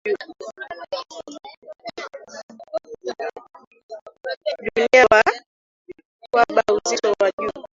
dunia wa wba uzito wa juu